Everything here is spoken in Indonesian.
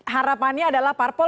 harapannya adalah parpol